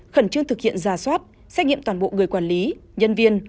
khẩn trương thực hiện ra soát xét nghiệm toàn bộ người quản lý nhân viên